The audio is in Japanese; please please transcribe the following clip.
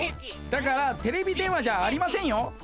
だからテレビ電話じゃありませんよ。